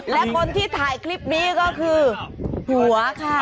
และคนที่ถ่ายคลิปนี้ก็คือผัวค่ะ